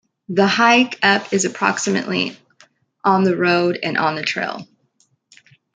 The hike up is approximately on the road and on the trail.